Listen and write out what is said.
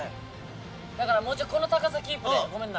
だからもうちょいこの高さキープで。